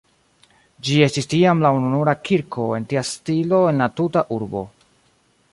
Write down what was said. Ĝi estis tiam la ununura kirko en tia stilo en la tuta urbo.